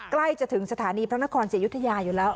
ใกล้จะถึงสถานีพระนครศรียุธยาอยู่แล้ว